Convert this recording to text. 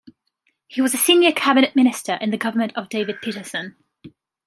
He was a senior cabinet minister in the government of David Peterson.